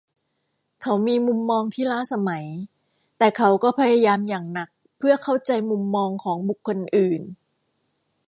เขามีมุมมองที่ล้าสมัยแต่เขาก็พยายามอย่างหนักเพื่อเข้าใจมุมมองของบุคคลอื่น